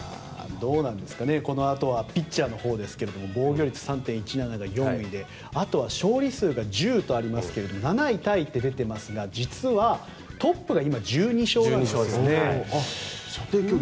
このあとはピッチャーのほうですが防御率３．１７が４位であとは勝利数が１０とありますが７位タイって出ていますが実はトップが射程距離。